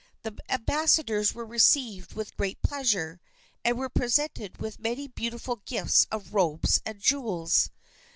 The ambassadors were received with great pleasure, and were presented with many beautiful gifts of robes and jewels.